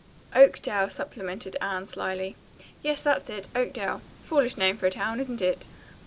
"Oakdale," supplemented Anne slyly. "Yes, that's it. Oakdale. Foolish name for a town, isn't it?"